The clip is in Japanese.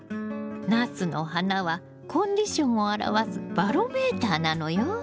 ナスの花はコンディションを表すバロメーターなのよ。